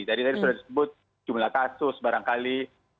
jadi tadi sudah disebut jumlah kasus barangkali